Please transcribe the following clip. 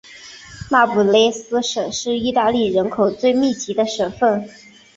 那不勒斯省是意大利人口最密集的省份。